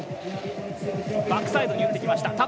バックサイドに打ってきました。